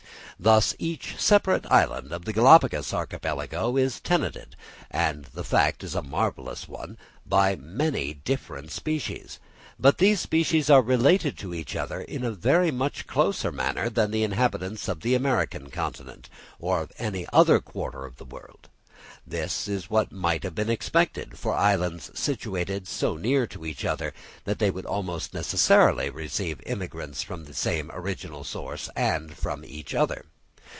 Thus each separate island of the Galapagos Archipelago is tenanted, and the fact is a marvellous one, by many distinct species; but these species are related to each other in a very much closer manner than to the inhabitants of the American continent, or of any other quarter of the world. This is what might have been expected, for islands situated so near to each other would almost necessarily receive immigrants from the same original source, and from each other.